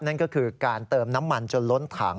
นั่นก็คือการเติมน้ำมันจนล้นถัง